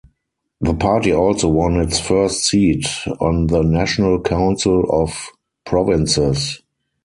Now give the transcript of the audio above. The party also won its first seat on the National Council of Provinces.